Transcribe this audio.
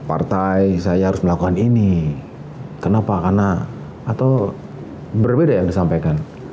atau berbeda yang disampaikan